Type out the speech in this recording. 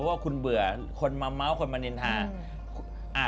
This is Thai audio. ว่าคุณเบื่อคนมาเม้าคนมานินทา